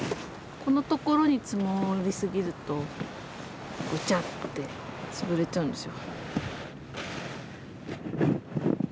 このところに積もり過ぎるとぐちゃって潰れちゃうんですよ。